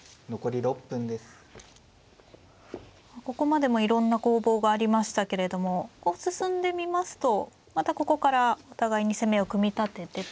ここまでもいろんな攻防がありましたけれどもこう進んでみますとまたここからお互いに攻めを組み立ててということに。